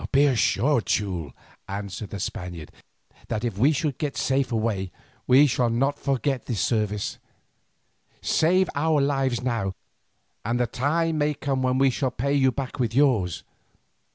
"Be assured, Teule," answered the Spaniard, "that if we should get safe away, we shall not forget this service. Save our lives now, and the time may come when we shall pay you back with yours.